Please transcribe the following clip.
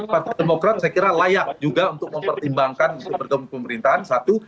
partai demokrat saya kira layak juga untuk mempertimbangkan untuk bergabung pemerintahan satu